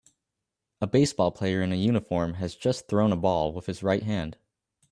A baseball player in a uniform has just thrown a ball with his right hand